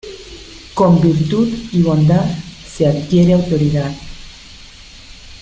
Con virtud y bondad se adquiere autoridad.